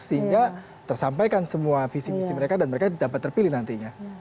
sehingga tersampaikan semua visi visi mereka dan mereka dapat terpilih nantinya